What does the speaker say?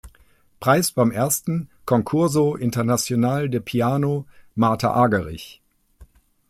Preis beim ersten „Concurso internacional de piano Martha Argerich“.